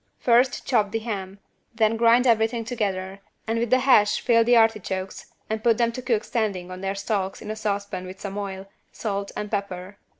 First chop the ham, then grind everything together and with the hash fill the artichokes, and put them to cook standing on their stalks in a saucepan with some oil, salt and pepper.